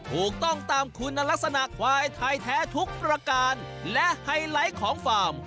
ถูกต้องตามคุณลักษณะควายไทยแท้ทุกประการและไฮไลท์ของฟาร์ม